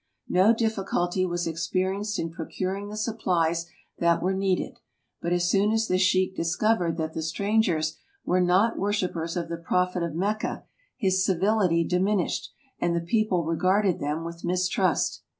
No difficulty was experienced in procuring the supplies that were needed, but as soon as the sheik discovered that the strangers were not worshipers of the Prophet of Mecca, his civility diminished and the people regarded them with mis trust.